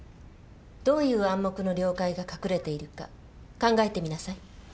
どういう「暗黙の了解」が隠れているか考えてみなさい。